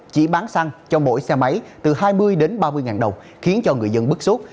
chỉ bán xăng cho mỗi xe máy từ hai mươi đến ba mươi ngàn đồng khiến cho người dân bức xúc